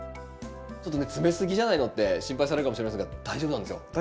ちょっとね詰めすぎじゃないのって心配されるかもしれませんが大丈夫なんですよ。